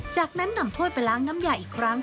จากนั้นนำถ้วยไปล้างน้ำยาอีกครั้ง